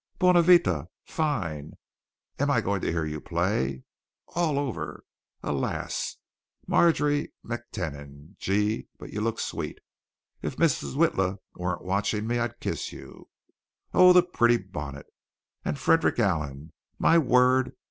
Bonavita! Fine! Am I going to hear you play? All over? Alas! Marjorie Mac Tennan! Gee, but you look sweet! If Mrs. Witla weren't watching me, I'd kiss you. Oh, the pretty bonnet! And Frederick Allen! My word!